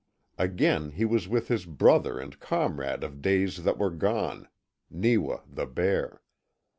Again he was with his brother and comrade of days that were gone Neewa the bear.